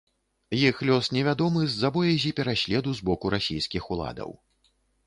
Іх лёс невядомы з-за боязі пераследу з боку расійскіх уладаў.